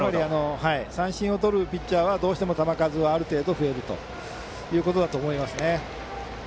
三振をとるピッチャーはどうしても球数はある程度、増えるということだと思いますね。